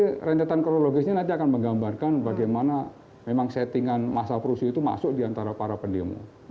jadi rencetan kronologisnya nanti akan menggambarkan bagaimana memang settingan masa perusuh itu masuk di antara para pendemo